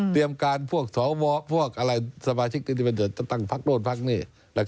เตรียมการพวกสามารถที่จะตั้งพักโน่นพักนี่